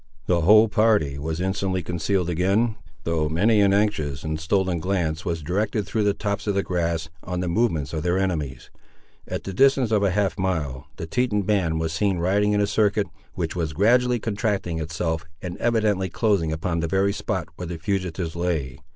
The whole party was instantly concealed again, though many an anxious and stolen glance was directed through the tops of the grass, on the movements of their enemies. At the distance of half a mile, the Teton band was seen riding in a circuit, which was gradually contracting itself, and evidently closing upon the very spot where the fugitives lay.